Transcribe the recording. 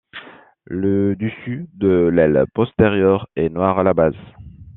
Le dessus de l'aile postérieure est noire à la base.